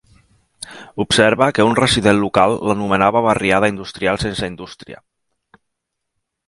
Observa que un resident local l'anomenava barriada industrial sense indústria.